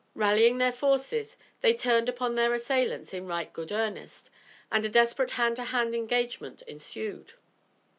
Rallying their forces, they turned upon their assailants in right good earnest and a desperate hand to hand engagement ensued.